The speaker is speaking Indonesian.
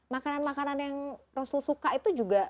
makanan makanan yang rasul suka itu juga